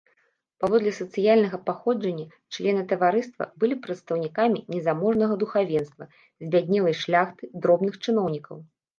Паводле сацыяльнага паходжання члены таварыства былі прадстаўнікамі незаможнага духавенства, збяднелай шляхты, дробных чыноўнікаў.